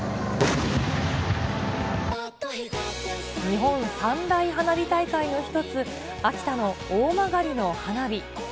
日本三大花火大会の一つ、秋田の大曲の花火。